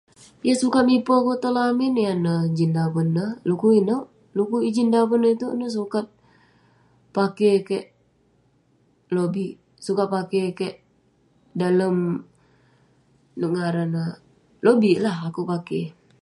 Yah sukat mipe akouk tong lamin, yan neh ijin daven neh, du'kuk inouk..du'kuk ijin daven itouk neh sukat pakey keik lobik, sukat pakey keik dalem...inouk ngaran neh..lobik lah akouk pakey..